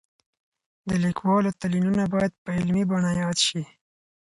د لیکوالو تلینونه باید په علمي بڼه یاد شي.